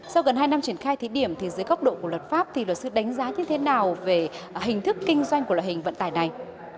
sau gần hai năm triển khai thí điểm thì dưới góc độ của luật pháp thì luật sư đánh giá như thế nào về hình thức kinh doanh của loại hình vận tải này